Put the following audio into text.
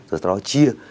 rồi sau đó chia